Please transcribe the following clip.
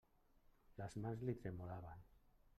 Les mans li tremolaven.